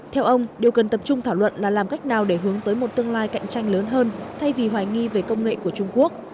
theo ông điều cần tập trung thảo luận là làm cách nào để hướng tới một tương lai cạnh tranh lớn hơn thay vì hoài nghi về công nghệ của trung quốc